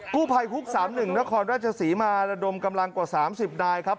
กู้ภัยฮุก๓๑นครราชศรีมาระดมกำลังกว่า๓๐นายครับ